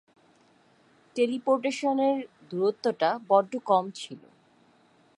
টেলিপোর্টেশনের দুরত্বটা বড্ড কম ছিলো।